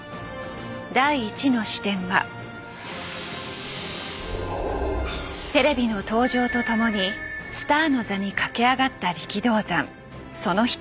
第１の視点はテレビの登場と共にスターの座に駆け上がった力道山その人。